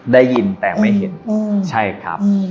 ได้ยินแต่ไม่เห็นใช่ครับ